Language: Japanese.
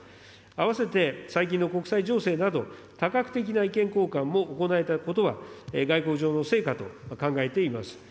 併せて最近の国際情勢など、多角的な意見交換も行えたことが、外交上の成果と考えています。